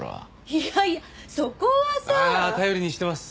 いやいやそこはさ。ああ頼りにしてます。